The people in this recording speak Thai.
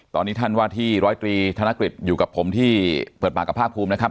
ตอนนี้ท่านว่าที่ร้อยตรีธนกฤษอยู่กับผมที่เปิดปากกับภาคภูมินะครับ